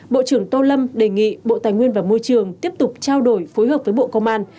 bộ trưởng tô lâm đề nghị bộ tài nguyên và môi trường tiếp tục trao đổi phối hợp với bộ công an